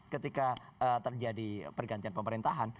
ketika terjadi pergantian pemerintahan